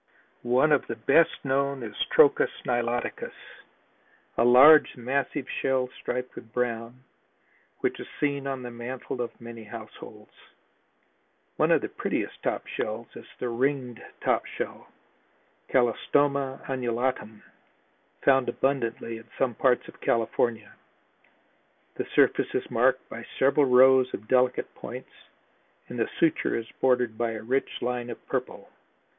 One of the best known is Trochus niloticus, a large, massive shell striped with brown, which is seen on the mantle of many households. One of the prettiest top shells is the ringed top shell (Calliostoma annulatum) found abundantly in some parts of California. The surface is marked by several rows of delicate points and the suture is bordered by a rich line of purple.